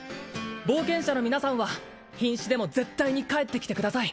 冒険者の皆さんはひん死でも絶対に帰ってきてください